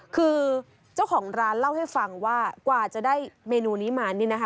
คือเจ้าของร้านเล่าให้ฟังว่ากว่าจะได้เมนูนี้มานี่นะคะ